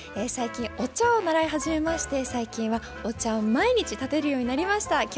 最近お茶を習い始めまして最近はお茶を毎日たてるようになりました。